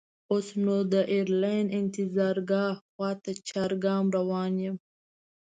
اوس نو د ایرلاین انتظارګاه خواته چارګام روان یم.